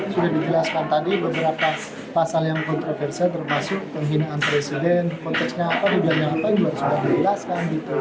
sudah ditelaskan tadi beberapa pasal yang kontroversial termasuk penghinaan presiden konteksnya apa ribanya apa juga sudah ditelaskan